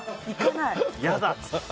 嫌だ！って。